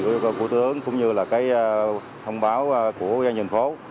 chỉ thị của tướng cũng như là thông báo của doanh nhân phố